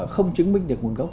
không chứng minh được nguồn gốc